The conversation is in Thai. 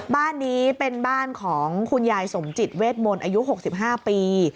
บ้านนี้เป็นบ้านของคุณยายสมจิตเวทมนต์อายุ๖๕ปี